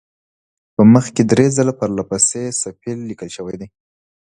په مخ کې درې ځله پرله پسې صفیل لیکل شوی دی.